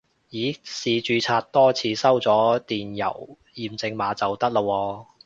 咦試註冊多次收咗電郵驗證碼就得喇喎